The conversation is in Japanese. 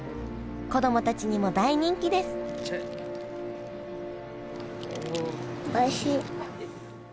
子供たちにも大人気ですおいしい。